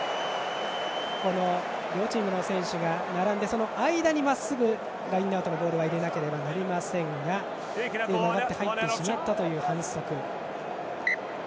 両チームの選手が並んでその間にまっすぐラインアウトのボールを入れなければなりませんが斜めに入ってしまったという反則。